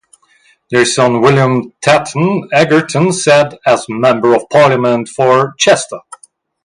Their son William Tatton Egerton sat as Member of Parliament for Chester.